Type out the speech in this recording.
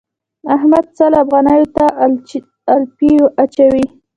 احمد سل افغانيو ته الاپی اچوي.